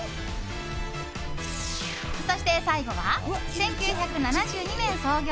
そして最後は、１９７２年創業